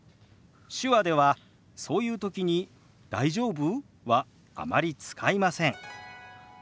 手話ではそういう時に「大丈夫？」はあまり使いません。